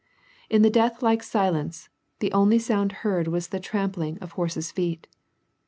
In the death like silence, the only sound heard was the trampling of horses' feet.